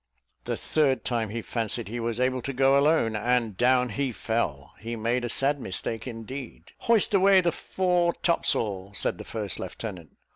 The third time he fancied he was able to go alone, and down he fell he made a sad mistake indeed. "Hoist away the fore topsail," said the first lieutenant.